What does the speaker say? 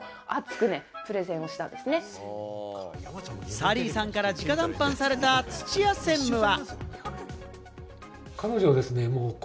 サリーさんから直談判された土屋専務は。